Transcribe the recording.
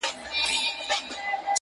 چي« رېبې به هغه څه چي دي کرلې».!